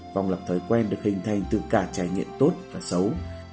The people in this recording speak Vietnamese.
vòng lập thói quen được hình thành từ cả trải nghiệm tốt và xấu